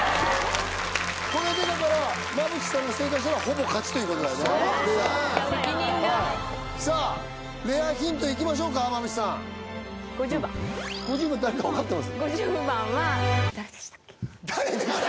これでだから馬淵さんが正解したらほぼ勝ちということに責任がさあレアヒントいきましょうか馬淵さん５０番５０番は誰でした？